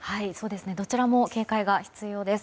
どちらも警戒が必要です。